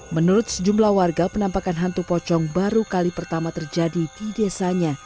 menurut sejumlah warga penampakan hantu pocong baru kali pertama terjadi di desanya